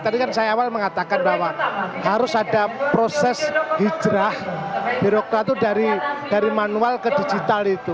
tadi kan saya awal mengatakan bahwa harus ada proses hijrah birokrat itu dari manual ke digital itu